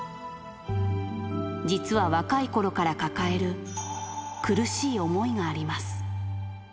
実は若いころから抱える苦しい思いがあります。